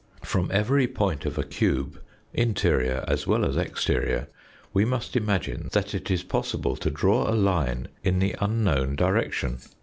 From every point of a cube, interior as well as exterior, we must imagine that it is possible to draw a line in the unknown direction.